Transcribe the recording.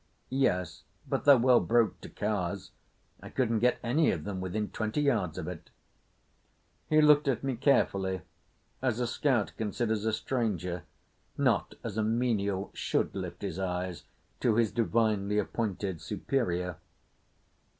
"Yes, but they're well broke to cars. I couldn't get any of them within twenty yards of it." He looked at me carefully as a scout considers a stranger—not as a menial should lift his eyes to his divinely appointed superior.